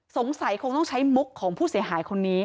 สงสัยคงต้องใช้มุกของผู้เสียหายคนนี้